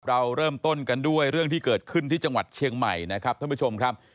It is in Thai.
เราเริ่มต้นกันด้วยเรื่องที่เกิดขึ้นที่จังหวัดเชียงใหม่นะครับท่านผู้ชมครับ